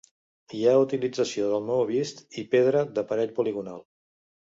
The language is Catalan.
Hi ha utilització del maó vist i pedra d'aparell poligonal.